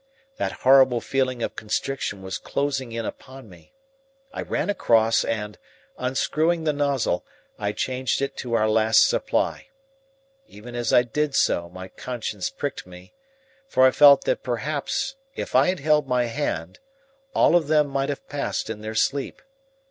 That horrible feeling of constriction was closing in upon me. I ran across and, unscrewing the nozzle, I changed it to our last supply. Even as I did so my conscience pricked me, for I felt that perhaps if I had held my hand all of them might have passed in their sleep.